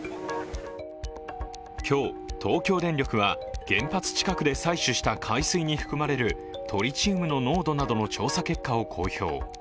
今日、東京電力は原発近くで採取した海水に含まれるトリチウムの濃度などの調査結果を公表。